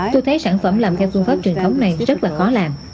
tôi thấy sản phẩm làm theo phương pháp truyền thống này rất là khó làm